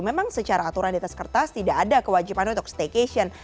memang secara aturan di atas kertas tidak ada kewajiban untuk staycation